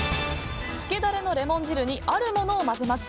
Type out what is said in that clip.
つけダレのレモン汁にあるものを混ぜます。